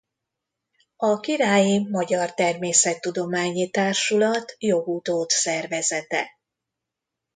A Királyi Magyar Természettudományi Társulat jogutód szervezete.